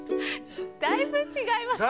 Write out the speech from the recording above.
だいぶちがいますね。